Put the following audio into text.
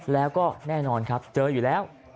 แล้วก็แน่นอนครับเจออยู่แล้ว